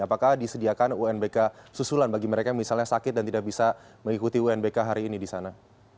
apakah disediakan unbk susulan bagi mereka yang misalnya sakit dan tidak bisa mengikuti unbk hari ini di sana